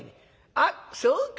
あっそうか。